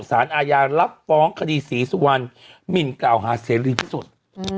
สารอาญารับฟ้องคดีศรีสุวรรณหมินกล่าวหาเสรีพิสุทธิ์